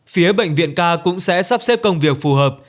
phía bệnh viện k cũng sẽ sắp xếp công việc phù hợp